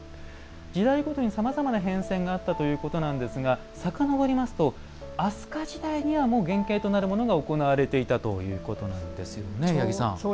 時代ごとにさまざまな変遷があったということなんですがさかのぼりますと飛鳥時代にはもう原形となるものが行われていたということそうですね。